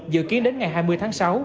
dự kiến đến ngày hai mươi tháng sáu